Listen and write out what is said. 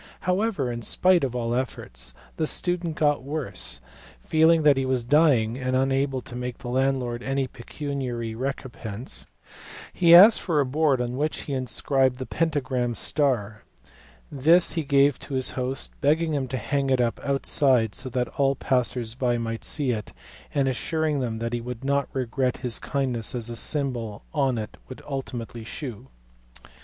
However, in spite of all efforts, the student got worse; feeling that he was dying and unable to make the landlord any pecuniary recompense, he asked for a board on which he inscribed the pentagram star; this he gave to his host, begging him to hang it up outside so that all the passers by might see it, and assuring him that he would not then regret his kindness as the symbol on it would ultimately shew.